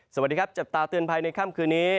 สวัสดีครับจับตาเตือนภัยในค่ำคืนนี้